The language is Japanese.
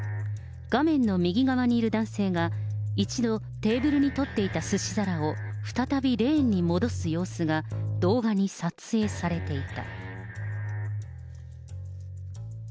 画面の右側にいる男性が、一度、テーブルに取っていたすし皿を、再びレーンに戻す様子が、動画に撮影されていた。